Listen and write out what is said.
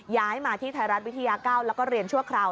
ย้ายมาที่ไทยรัฐวิทยา๙แล้วก็เรียนชั่วคราว